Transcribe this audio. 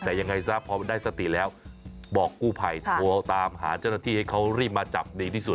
แต่ยังไงซะพอมันได้สติแล้วบอกกู้ภัยโทรตามหาเจ้าหน้าที่ให้เขารีบมาจับดีที่สุด